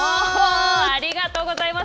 ありがとうございます。